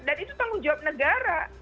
dan itu tanggung jawab negara